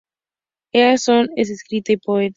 Easton es escritora y poeta.